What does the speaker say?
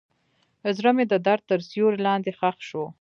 زړه مې د درد تر سیوري لاندې ښخ شو.